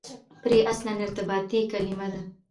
پرې اصلاً ارتباطي کلیمه ده.